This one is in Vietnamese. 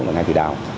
ngay vì đào